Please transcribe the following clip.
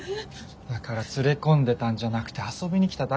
だから連れ込んでたんじゃなくて遊びに来ただけなんだって同級生が。